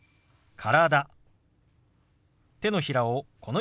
「体」。